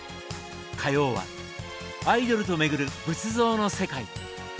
火曜は「アイドルと巡る仏像の世界」。